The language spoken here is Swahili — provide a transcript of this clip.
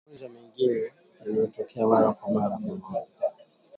Magonjwa mengine yanayotokea mara kwa mara kwa ngombe